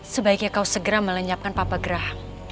sebaiknya kau segera melenyapkan papa gerah